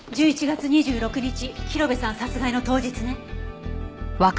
１１月２６日広辺さん殺害の当日ね。